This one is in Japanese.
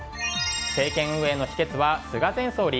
政権運営の秘訣は菅前総理？